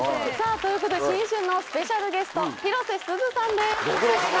ということで新春のスペシャルゲスト広瀬すずさんです。